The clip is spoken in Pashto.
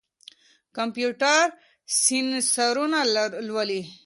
کمپيوټر سېنسرونه لولي.